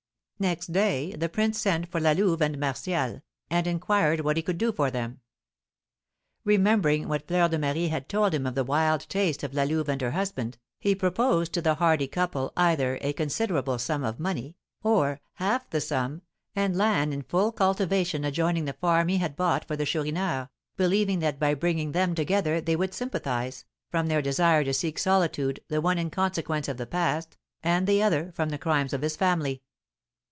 Next day the prince sent for La Louve and Martial, and inquired what he could do for them. Remembering what Fleur de Marie had told him of the wild taste of La Louve and her husband, he proposed to the hardy couple either a considerable sum of money, or half the sum and land in full cultivation adjoining the farm he had bought for the Chourineur, believing that by bringing them together they would sympathise, from their desire to seek solitude, the one in consequence of the past, and the other from the crimes of his family.